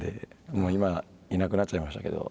もう今いなくなっちゃいましたけど。